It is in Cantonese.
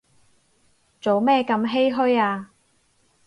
做咩咁唏噓啊